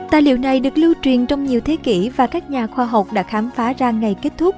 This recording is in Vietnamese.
tài liệu này được lưu truyền trong nhiều thế kỷ và các nhà khoa học đã khám phá ra ngày kết thúc